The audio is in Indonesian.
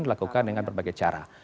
dilakukan dengan berbagai cara